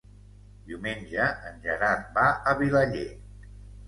Diumenge en Gerard va a Vilaller.